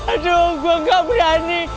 aduh gua gak berani